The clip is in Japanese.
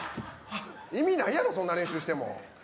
意味ないやろ、そんな練習しても。